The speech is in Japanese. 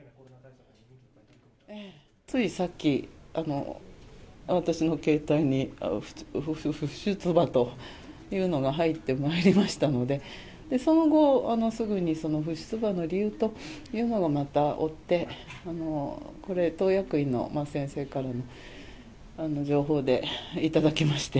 ついさっき、私の携帯に不出馬というのが入ってまいりましたので、その後、すぐにその不出馬の理由というのが追ってこれ、党役員の先生からの情報で頂きまして。